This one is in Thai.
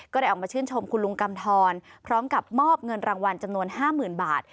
ได้ออกมาชื่นชมคุณลุงกำทรพร้อมกับมอบเงินรางวัลจำนวน๕๐๐๐บาท